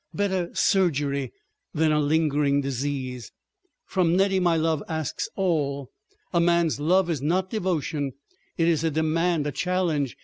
Better surgery than a lingering disease! From Nettie my love—asks all. A man's love is not devotion—it is a demand, a challenge.